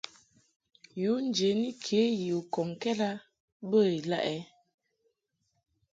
Yu njeni ke yi u kɔŋkɛd a bə ilaʼɛ ?